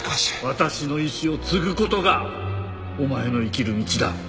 私の意志を継ぐ事がお前の生きる道だ。